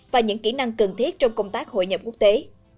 và những kỹ năng cần thiết trong công tác hội nhập quốc tế